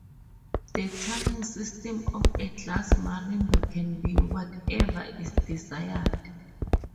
The tuning system of a glass marimba can be whatever is desired.